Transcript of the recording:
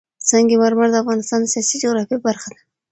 سنگ مرمر د افغانستان د سیاسي جغرافیه برخه ده.